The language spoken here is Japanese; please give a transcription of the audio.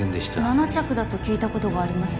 ７着だと聞いたことがあります